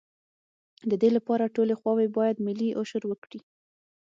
د دې لپاره ټولې خواوې باید ملي اشر وکړي.